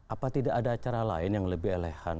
apa tidak ada acara lain yang lebih elehan